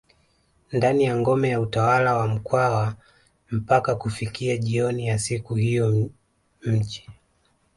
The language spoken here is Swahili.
ndani ya ngome ya utawala wa mkwawa mpaka kufika jioni ya siku hiyo mji